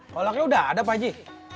kolaknya udah ada pak ji